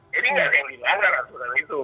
jadi nggak ada yang hilang dari aturan itu